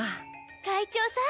会長さん。